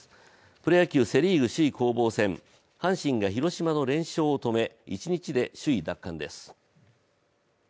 プロ野球セ・リーグ首位攻防戦、阪神が広島の連勝を止め１日で首位奪還です。